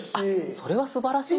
それはすばらしい。